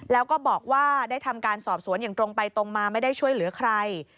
แล้วก็บอกว่าได้ทำการสอบสวนอย่างตรงไปตรงมาไม่ได้ช่วยเหลือใคร